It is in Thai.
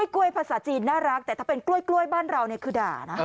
กล้วยภาษาจีนน่ารักแต่ถ้าเป็นกล้วยบ้านเราคือด่านะ